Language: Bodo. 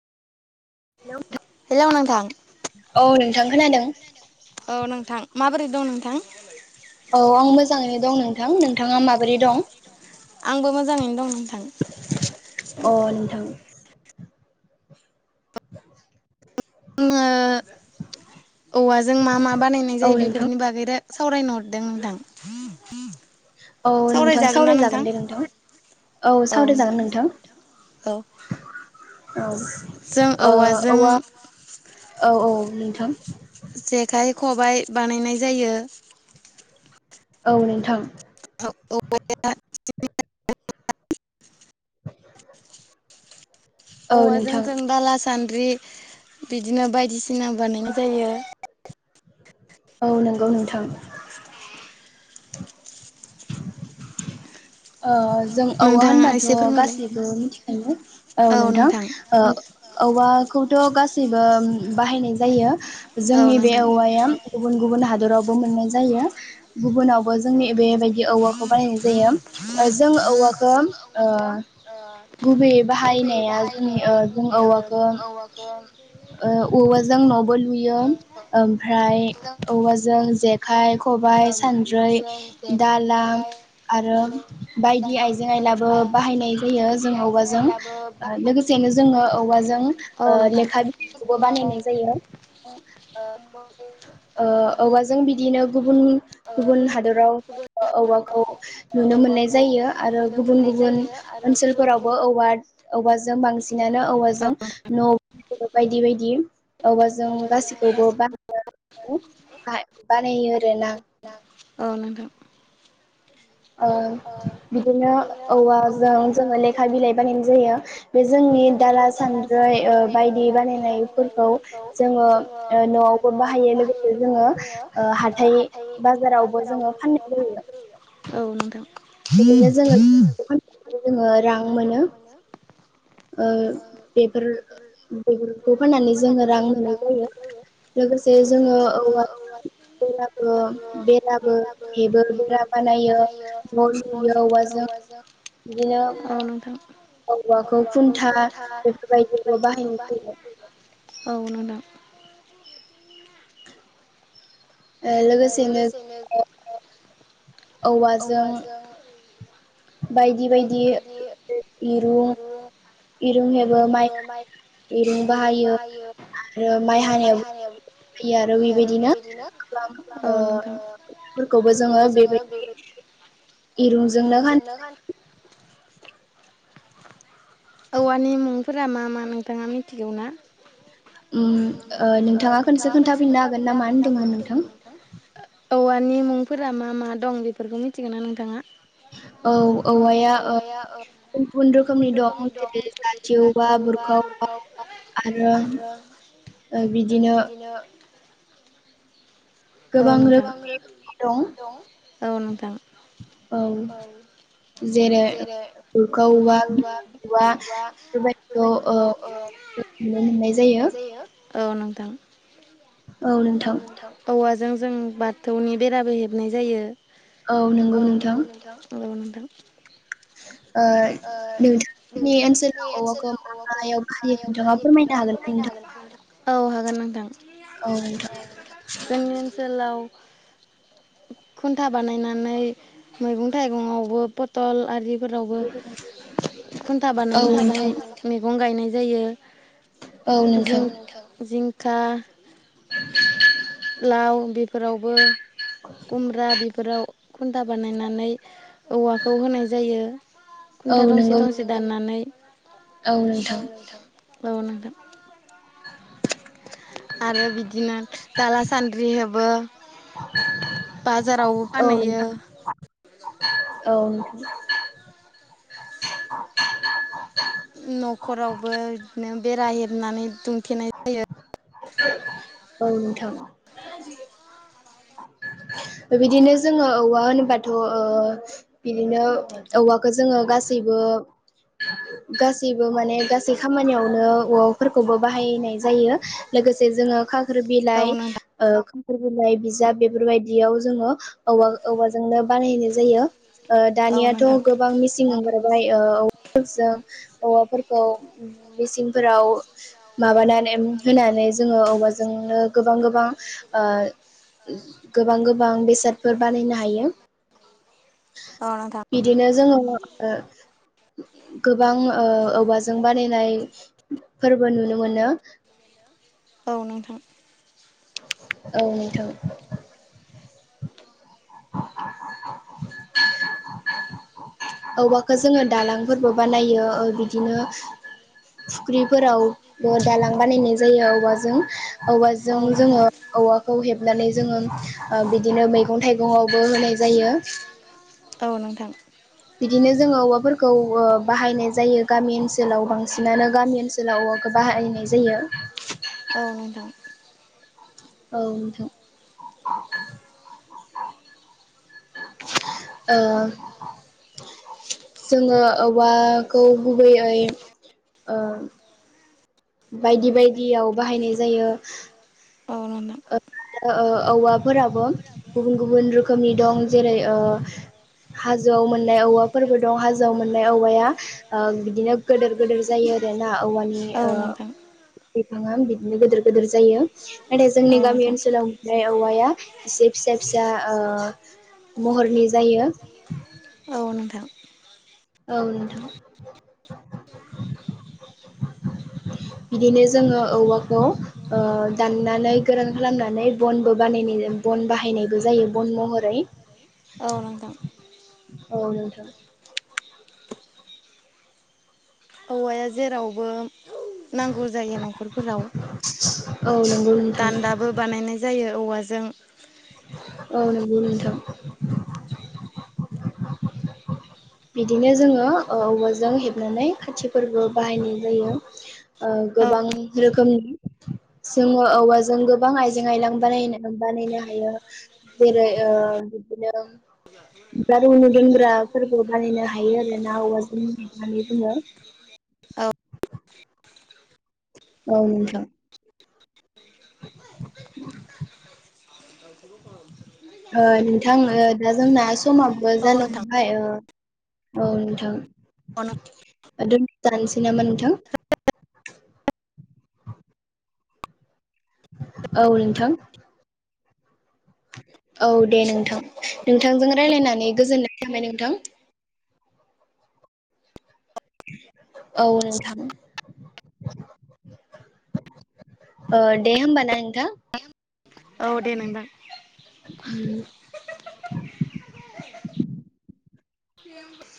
हेल [unintelligible] औ नोंथां खोनादों? औ नोंथां माबोरै दं नोंथां? औ आं मोजाङैनो दं नोंथां नोंथाङा माबोरै दं आंबो मोजाङैनो दंमोन। अ नोंथां [inaudible] [unintelligible] औवाजों मा मा बानायनाय जायो बेफोरनि बागै रा सावरायनो हरदों नोंथां । औ नोंथां सावरायजागोन दे नोंथां औ सावरायजागोन नोंथां औ । ओ औवा औ औ नोंथां । जेखाइ खबायाइ बानायनाय जायो । औ नोंथां । [inaudible] औवाजों जों दाला सान्द्रि बिदिनो बायदिसिना बानायनाय जायो । औ नंगौ नोंथां । [inaudible] अ जों औवा होनबाथ' गासैबो मिथिखायो, औ नोंथां ओ औवाखौ थ' गासैबो उम्म बाहायनाय जायो जोंनि बे औवाया गुबुन गुबुन हाद दरावबो मोननाय जायो गुबुनावबो जोंनि बे बाय दि औवाखौ बाहायनाय जायो । ओ औवाखो ओ गुबैयै बाहायनाया जोंनि ओ जों औवाखो ओ औवाजों न'बो लुयो ओमफ्राय औवाजों जेखाइ, खबाइ, सानद्रै, दाला आरो बायदि आइजें आइलाबो बाहायनाय जायो जों औवाजों ओ लोगोसेनो जोङो औवाजों ओ लेखा बिलाइखौबो बानायनाय जायो ओ औवाजों बि बिदिनो गुबुन गुबुन हादराव ओ औवाखौ नुनो मोन जायो आरो गुबुन गुबुन ओनसोलफोरावबो औवा [unintelligible] औवाजों बांसिनानो औवाजों न' बायदि बायदि औवाजों गासिबखौबो बा [unintelligible] बाह बानायो । देना औ नोंथां । ओ बिदिनो औवाजों जोंङो लेखा बिलाइ बानायनाय जायो । [inaudible] बे जोंनि दाला सान्द्रै ओ बायदि बानायनायफोरखौ जोंङो न'आवबो बाहायो लोगोसे जोंङो ओ हाथाइ बाजारावबो जोंङो फाननाय जायो । औ नोंथां । बिदिनो जोंङो [inaudible] जोंङो रां मोनो । ओ बेफोर बेफोरखौ फाननानै जोङो रां मोननाय जायो लोगोसे जोङो औवा बेराबो बेराबो हेबो बेरा बानायो न' लुयो औवाजों बिदिनो औवाखौ खौ खुन्था बेबायदिबो बाहायनाय जायो औ नोंदां ओ लोगोसेनो ओ औवाजों बायदि बायदि दिरुं इरुं हेबो माइ रुं बाहायो आरो माइ हानायावबो बिदि आरो बेबायदिनो औ नोंथां फोरखौबो जोङो बेबायदि इरुंजोंनो खान औवानि मुंफोरा मा मा नोंथाङा मिथिगौ ना ओम ओ नोंथाङा खनसे खोन्थाफिननो हागोन ना मा होनदोंमोन नोंथां औवानि मुंफोरा मा मा दं बेफोरखौ मिथिगो ना नोंथाङा? औ औवाया ओ गुबुन गुबुन रोखोमनि दं [unintelligible] जाथि औवा बुरखा औवा आरो ओ बिदिनो- गोबां रोखोमनि दं औ नोंथां। औ जेरै बुरखा औवा औवा बेफोरबायदिखौ ओ मोननाय जायो। औ नोंथां। औ नोंथां औवा जों जों बाथौनि बेराबो हेबनाय जायो। औ नोंगौ नोंथां। औ नोंथां। [inaudible] ओ नोंथांनि ओनसोलाव औवाखौ मा-मायाव बाहायो नोंथाङा फोरमायऩो हागोन्ना नोंथां? औ हागोन नोंथां। जोंनि ओनसोलाव खुन्था बानायनानै मैगं थाइगंआवबो पथल आरि। फोरावबो। खुन्था बानायनानै मेगं। गायनाय जायो। जिं जिं। खा। [inaudible] लाव बेफोरावबो खुमब्रा बेफोराव खुन्था बानायनानै औवाखौ होनाय जायो खुन्था थंसे-थंसे दाननानै औ नोंथां। बावनांगोन। आरो बिदिनो दाला सान्द्रि हेबो [unintelligible] जारावबो फानहैयो। औ नोंथां। [unintelligible] नखरावबो बिदिनो बेराहबनानै दुमथेनाय जायो। [unintelligible] औ नोंथां। बिदिनो जोङो औवा होनबाथ' ओ बिदिनो औवाखौ जोङो गासैबो गासैबो माने गासै खामानियावनो औवाफोरखौबो बाहायनाय जायो लोगोसे जोङो फोर बिलाइ ओ फोर बिलाइ बिजाब बे बेफोरबायदियाव जोङो औवा औवाजोंनो बानायनाय जायो ओ दानियाथ' गोबां मिसिं ओंखारबाय ओ जो औवाफोरखौ मेसिंफोराव माबाना। थाइम होनानै जोङो औवाजोंनो गोबां-गोबां ओ। गोबां गोबां बेसादफोर बानायनो हायो। बिदिनो जोङो ओ गोबां ओ औवाजों बानायनाय फोरबो नुनो मोनो। औ नोंथां। [unintelligible] औ नोंथां। [unintelligible] औवाखौ जोङो दालांफोरबो बानायो ओ बिदिनो फुख्रि। फोरावबो दालां बानायनाय जायो औवाजों औवाजों जोङो औवाखौ हेबनानै जोङो ओ बिदिनो मैगं थाइगङाव। नाय जायो‌। औ नोंथां। बिदिनो जोङो औवाफोरखौ ओ बाहायनाय जायो। गामि ओनसोलाव बांसिनानो गामि ओनसोलाव औवाखौ बाहायनाय जायो। औ नोथां ओ जोङो औवाखौ गुबैयै ओ। बायदि बायदियाव बाहायनाय जायो। अ नोंथां। ओ औवाफोराब। गुबुन गुबुन रोखोमनि दं जेरै ओ हाजोआव मोननाय औवाफोरबो दं हाजोआव मोननाय औवाया ओ बिदिनो गोदोर गोदोर जायो आरोना औवानि ओ बिफाङा बियो गोदोर गोदोर जायो। जोंनि गामि ओनसोलाव मोननाय औवाया एसे पिसा। फिसा ओ महरनि जायो। औ नोंथां। औ नोंथां बिदिनो जोङो औवाखौ ओ दाननानै गोरान खालामनानै बनबो बानायनाय बन बाहायनायबो जायो बन महरै। औ नोंथां। औ नोंथां। हौवाया जेरावबो नांगौ जायो न'खरफोराव दानदाबो बानायनाय जायो। औवाजों। औ नोंगौ नोंथां। बिदिनो जोङो ओ औवाजों हेबनानै खाथिफोरबो बाहायनाय जायो ओ गोबां रोखोमनि जोङो औवाजों गोबां आइजें आइलां बानायनो बानायनो हायो जेरै ओ बिदिनो [unintelligible] दोनग्राफोर बो बानायनो हायो आरो ना औवाजों लिरनानै जोङो। औ नोंथां। [inaudible] ओ नोंथां ओ दा जोंना समाबो जानो हमबाय ओ औ नोंथां दोनथ'जानोसै नामा नोंथां? औ नोंथां। औ दे नोंथां नोंथांजों रायलायनानै गोजोननाय थाबाय नोंथां। औ नोंथां। ओ दे होमबा ना नोंथां। औ दे नोंथां। [inaudible]